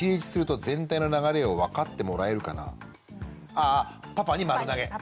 ああパパに丸投げ。